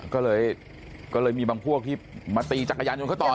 ก็เลยก็เลยมีบางพวกที่มาตีจักรยานจนเขาต่อเอง